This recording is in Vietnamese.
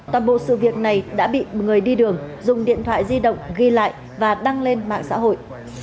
toàn bộ sự việc này đã bị người đi đường dùng điện thoại di động ghi lại và đăng lên mạng xã hội